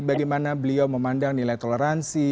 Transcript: bagaimana beliau memandang nilai toleransi